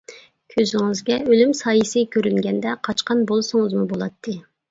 كۆزىڭىزگە ئۆلۈم سايىسى كۆرۈنگەندە، قاچقان بولسىڭىزمۇ بولاتتى.